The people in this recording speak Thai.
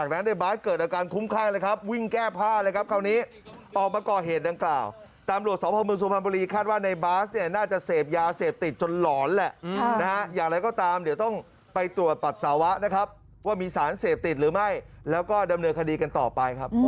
นี่ครับต้นทุ่นเพียบเลย